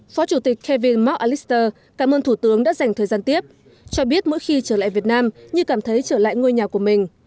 phó chủ tịch kevin mark alister cảm ơn thủ tướng đã dành thời gian tiếp cho biết mỗi khi trở lại việt nam như cảm thấy trở lại ngôi nhà của mình